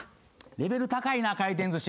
レベル高いな回転寿司。